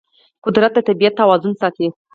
قدرت د طبیعت توازن ساتي.